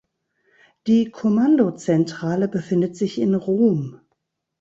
Die Kommandozentrale befindet sich in Rom.